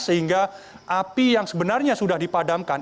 sehingga api yang sebenarnya sudah dipadamkan